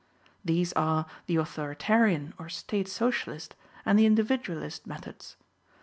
These are the authoritarian or State Socialist and the individualist methods.